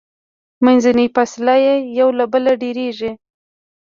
منځنۍ فاصله یې یو له بله ډیریږي.